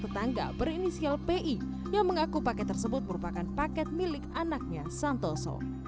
tetangga berinisial pi yang mengaku paket tersebut merupakan paket milik anaknya santoso